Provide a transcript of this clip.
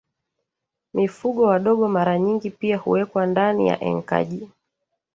Mifugo wadogo mara nyingi pia huwekwa ndani ya enkaji